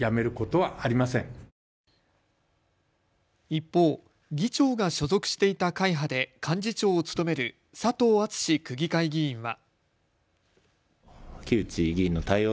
一方、議長が所属していた会派で幹事長を務める佐藤篤区議会議員は。